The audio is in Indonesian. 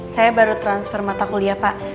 saya baru transfer mata kuliah pak